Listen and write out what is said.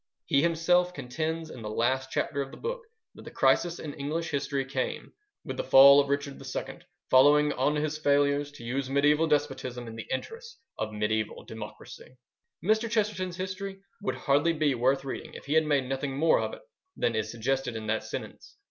He himself contends in the last chapter of the book that the crisis in English history came "with the fall of Richard II, following on his failures to use mediaeval despotism in the interests of mediaeval democracy." Mr. Chesterton's history would hardly be worth reading, if he had made nothing more of it than is suggested in that sentence.